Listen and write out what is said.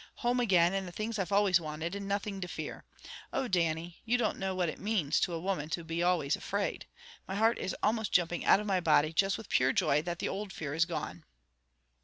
Home again, and the things I've always wanted, and nothing to fear. Oh, Dannie, you don't know what it manes to a woman to be always afraid! My heart is almost jumping out of my body, just with pure joy that the old fear is gone."